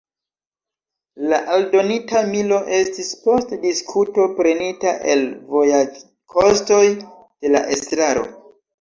La aldonita milo estis post diskuto prenita el vojaĝkostoj de la estraro.